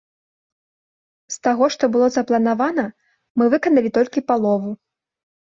З таго, што было запланавана, мы выканалі толькі палову.